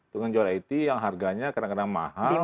dengan jual it yang harganya kadang kadang mahal